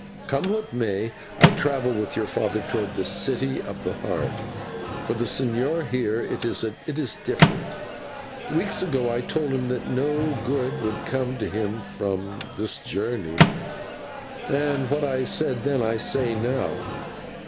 Come what may, I travel with your father towards the City of the Heart. For the señor here it is different. Weeks ago I told him that no good could come to him from this journey, and what I said then I say now.